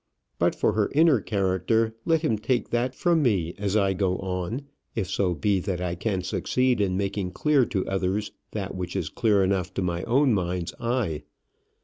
But for her inner character, let him take that from me as I go on, if so be that I can succeed in making clear to others that which is clear enough to my own mind's eye.